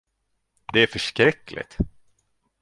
Det är förskräckligt!